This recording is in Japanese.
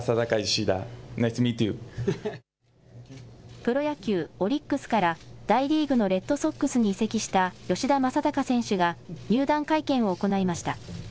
プロ野球・オリックスから大リーグのレッドソックスに移籍した吉田正尚選手が入団会見を行いました。